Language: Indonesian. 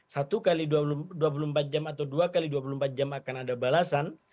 satu kali dua belum empat jam atau dua kali dua belum empat jam akan ada balasan